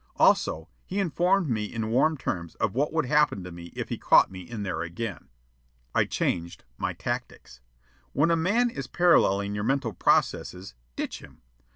Also, he informed me in warm terms of what would happen to me if he caught me in there again. I changed my tactics. When a man is paralleling your mental processes, ditch him.